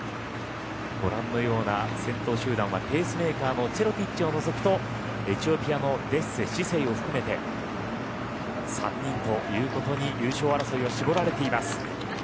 ご覧のような先頭集団はペースメーカーのチェロティッチを除くとエチオピアのデッセ、シセイを含めて３人ということに優勝争いを絞られています。